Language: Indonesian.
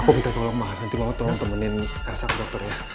aku minta tolong ma nanti mama tolong temenin karyasaku dokternya